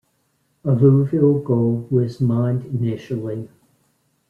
Alluvial gold was mined initially.